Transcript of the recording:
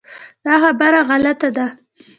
دا خبره غلطه ده .